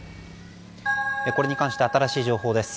これに関して新しい情報です。